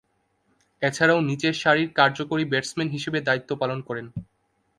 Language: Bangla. এছাড়াও নিচের সারির কার্যকরী ব্যাটসম্যান হিসেবে দায়িত্ব পালন করেন।